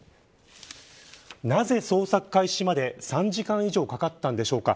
なぜ捜索開始まで３時間以上かかったんでしょうか。